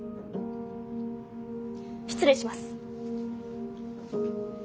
失礼します。